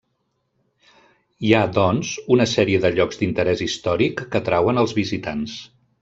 Hi ha, doncs, una sèrie de llocs d'interès històric que atrauen els visitants.